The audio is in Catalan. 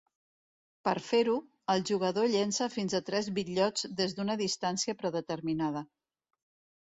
Per fer-ho, el jugador llença fins a tres bitllots des d'una distància predeterminada.